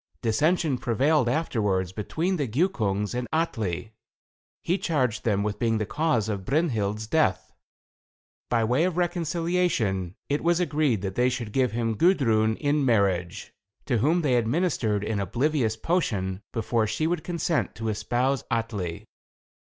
Dissension prevailed afterwards between the Giukungs and Atli. He charged them with being the cause of Brynhild's death. By way of reconciliation, it was agreed that they should give him Gudrun in marriage, to whom they administered an oblivious potion, before she would consent to espouse Atli.